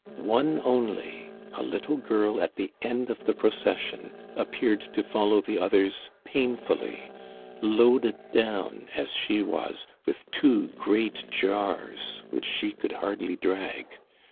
One only, a little girl at the end of the procession, appeared to fol low the others painfully, loaded down as she was with two great jars which she could hardly drag.